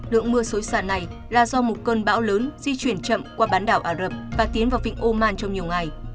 lượng mưa xối xả này là do một cơn bão lớn di chuyển chậm qua bán đảo ả rập và tiến vào vịnh oman trong nhiều ngày